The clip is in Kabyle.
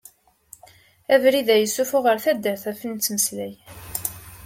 Abrid-a yessufuɣ ar taddart ɣef i nettmeslay.